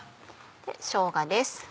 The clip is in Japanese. しょうがです。